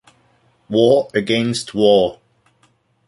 War against War!